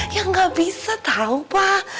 ya gak bisa tau pak